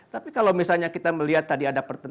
tapi kalau misalnya kita melihat tadi ada pertanyaan